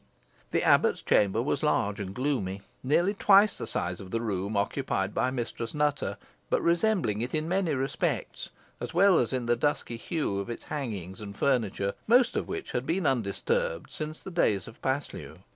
The abbot's chamber was large and gloomy, nearly twice the size of the room occupied by Mistress Nutter, but resembling it in many respects, as well as in the No interdusky hue of its hangings and furniture, most of which had been undisturbed since the days of Paslew.